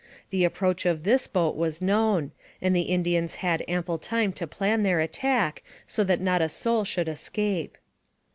The approach of this boat was known, and the Indians had ample time to plan their attack so that not a soul should escape.